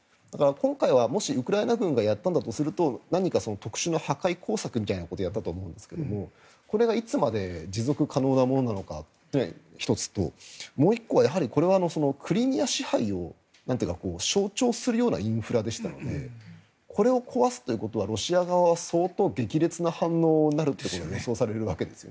今回はウクライナ軍がやったんだとすると何か特殊な破壊工作みたいなことをやったと思うんですがこれがいつまで持続可能なものなのかが１つともう１個はこれはクリミア支配を象徴するようなインフラでしたのでこれを壊すということはロシア側は相当、激烈な反応になることが予想されるわけです。